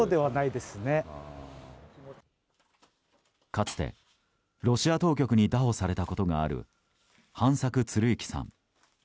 かつてロシア当局に拿捕されたことがある飯作鶴幸さん。